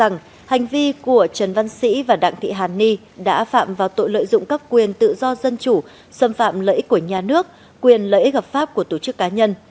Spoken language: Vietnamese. hội đồng xét xử sơ thẩm đã cho rằng hành vi của trần văn sĩ và đặng thị hàn ni đã phạm vào tội lợi dụng các quyền tự do dân chủ xâm phạm lợi ích của nhà nước quyền lợi ích hợp pháp của tổ chức cá nhân